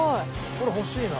これ欲しいな。